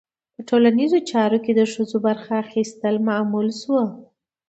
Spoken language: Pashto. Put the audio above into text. په ټولنیزو چارو کې د ښځو برخه اخیستنه معمول شوه.